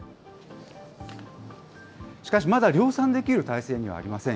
しかしまだ量産できる体制にはありません。